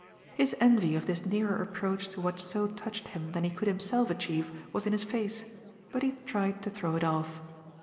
His envy of this nearer approach to what so touched him than he could himself achieve was in his face, but he tried to throw it off.